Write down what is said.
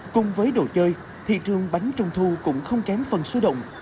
cùng với đồ chơi thị trường bánh trung thu cũng không kém phần số đồng